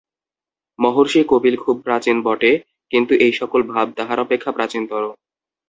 মহর্ষি কপিল খুব প্রাচীন বটে, কিন্তু এই-সকল ভাব তাঁহা অপেক্ষা প্রাচীনতর।